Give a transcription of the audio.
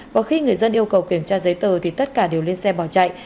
và khi người dân yêu cầu kiểm tra giấy tờ thì tất cả đều lên xe bỏ chạy